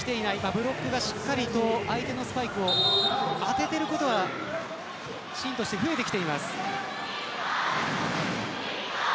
ブロックがしっかりと相手の攻撃を当てていることはシーンとして増えてきています。